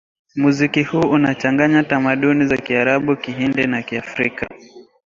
Muziki huu unachanganya tamaduni za Kiarabu Kihindi na Kiafrika